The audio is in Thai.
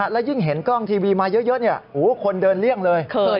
และยิ่งเห็นกล้องทีวีมาเยอะคนเดินเลี่ยงเลย